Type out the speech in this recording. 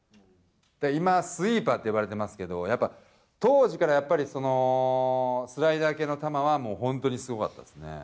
今、スイーパーって呼ばれてますけど、やっぱ、当時からやっぱりスライダー系の球はもう本当にすごかったですね。